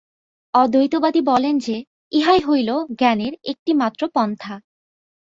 অদ্বৈতবাদী বলেন যে, ইহাই হইল জ্ঞানের একটিমাত্র পন্থা।